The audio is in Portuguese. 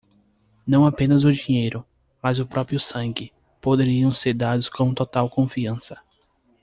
Não apenas o dinheiro, mas o próprio sangue, poderiam ser dados com total confiança.